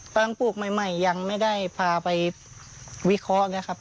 ตั้งปลูกใหม่ยังไม่ได้พาไปวิเคราะห์นะครับ